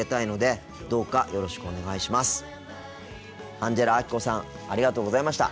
アンジェラアキコさんありがとうございました。